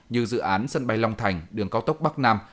như dự án sân bay long thành đường cao tốc bắc nam